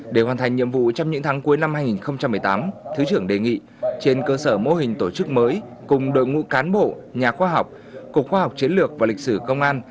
để hoàn thành nhiệm vụ trong những tháng cuối năm hai nghìn một mươi tám thứ trưởng đề nghị trên cơ sở mô hình tổ chức mới cùng đội ngũ cán bộ nhà khoa học cục khoa học chiến lược và lịch sử công an